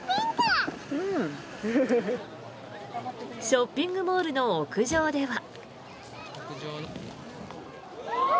ショッピングモールの屋上では。